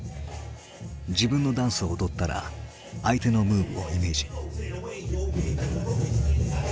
自分のダンスを踊ったら相手のムーブをイメージ。